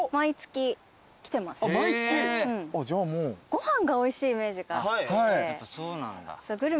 ご飯がおいしいイメージがあって。